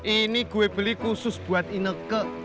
ini gue beli khusus buat ineke